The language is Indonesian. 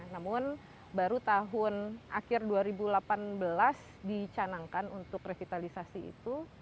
namun baru tahun akhir dua ribu delapan belas dicanangkan untuk revitalisasi itu